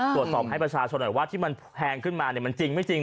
ตรวจสอบให้ประชาชนหน่อยว่าที่มันแพงขึ้นมามันจริงไม่จริง